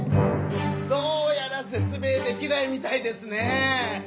どうやらせつ明できないみたいですね！